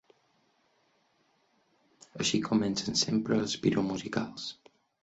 Així comencen sempre els piromusicals.